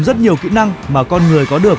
rất nhiều kỹ năng mà con người có được